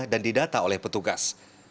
dan didata oleh petugas